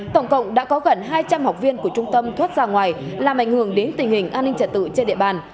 tổng cộng đã có gần hai trăm linh học viên của trung tâm thoát ra ngoài làm ảnh hưởng đến tình hình an ninh trật tự trên địa bàn